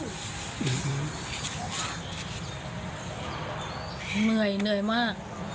เหนื่อยเหนื่อยมาก